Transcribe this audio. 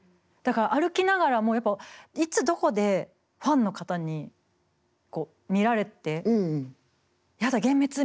だから歩きながらもやっぱいつどこでファンの方に見られてやだ幻滅！